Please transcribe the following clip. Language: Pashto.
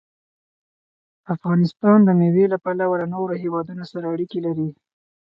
افغانستان د مېوې له پلوه له نورو هېوادونو سره اړیکې لري.